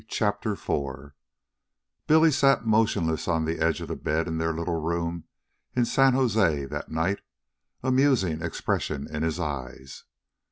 CHAPTER IV Billy sat motionless on the edge of the bed in their little room in San Jose that night, a musing expression in his eyes.